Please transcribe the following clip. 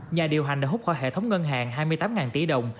nhà điều hành đã hút khỏi hệ thống ngân hàng hai mươi tám tỷ đồng